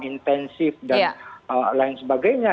intensif dan lain sebagainya